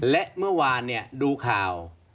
และเมื่อวานดูข่าว